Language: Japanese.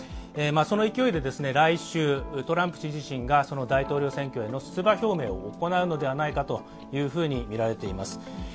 その勢いで来週、トランプ氏自身が大統領選挙への出馬表明を行うのではないかとみられています